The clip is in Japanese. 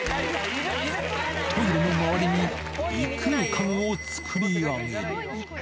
トイレの周りに異空間を作り上げる。